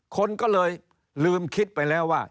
คนก็เลยลืมคิดไปแล้วว่า